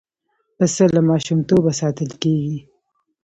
پسه له ماشومتوبه ساتل کېږي.